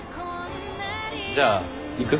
じゃあ行く？